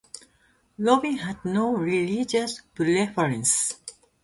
Robbins had no religious preference.